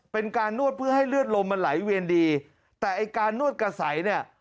เป็นการนวดเพื่อให้เลือดลมมันไหลเวียนดีแต่ไอ้การนวดกระใสเนี่ย